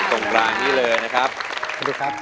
ตรงกลางนี้เลยนะครับ